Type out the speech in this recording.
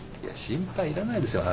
心配いらないですよ。